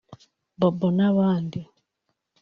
Bobo n’abandi